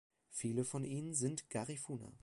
Viele von ihnen sind Garifuna.